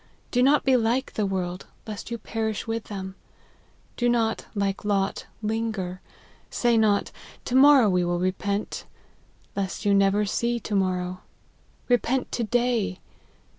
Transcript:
Do not be like the world, lest you perish with them. Do not, like Lot, linger ; say not, to morrow we will repent, lest you never see to morrow ; repent to day.